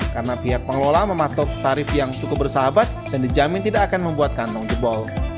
karena pihak pengelola mematok tarif yang cukup bersahabat dan dijamin tidak akan membuat kantong jebol